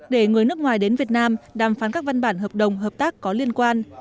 để người nước ngoài đến việt nam đàm phán các văn bản hợp đồng hợp tác có liên quan